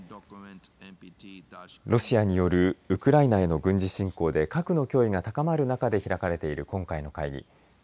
ロシアによるウクライナへの軍事侵攻で核の脅威が高まる中で開かれている今回の会議。